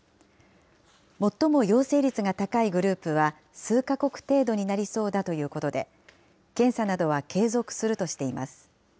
最も陽性率が高いグループは、数か国程度になりそうだということで、検査などは継続するとしています。